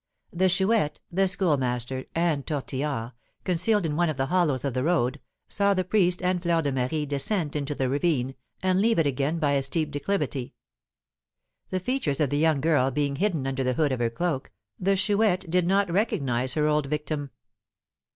The Chouette, the Schoolmaster, and Tortillard, concealed in one of the hollows of the road, saw the priest and Fleur de Marie descend into the ravine, and leave it again by a steep declivity. The features of the young girl being hidden under the hood of her cloak, the Chouette did not recognise her old victim.